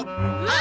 あ？